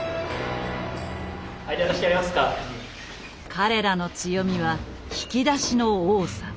彼らの強みは引き出しの多さ。